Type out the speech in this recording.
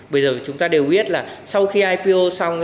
bây giờ chúng ta đều biết là sau khi ipo xong